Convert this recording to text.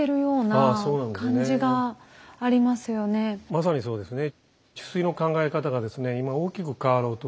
まさにそうですね。